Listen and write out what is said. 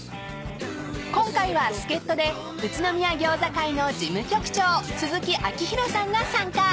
［今回は助っ人で宇都宮餃子会の事務局長鈴木章弘さんが参加］